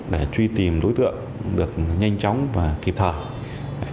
để truy tìm đối tượng được nhanh chóng và kịp thời